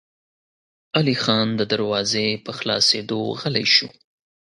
علی خان د دروازې په خلاصېدو غلی شو.